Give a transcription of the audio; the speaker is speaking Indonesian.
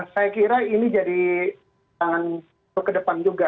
saya kira ini jadi tangan untuk ke depan juga